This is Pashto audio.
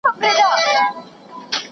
- ښه صیب هماغه پخوانۍ پيزا غواړئ؟